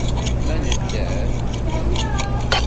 Ma nedder.